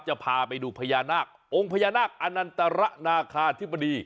จะพาไปดูพญานาคองค์พญานาคอนันตรนาคาธิบดี